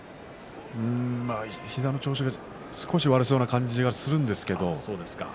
膝の調子が少し悪そうな感じがするんですけどね